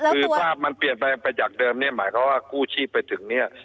คือภาพมันเปลี่ยนไปจากเดิมเนี่ยหมายความว่ากู้ชีพไปถึงเนี่ย